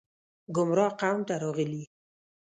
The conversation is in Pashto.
ګمراه قوم ته راغلي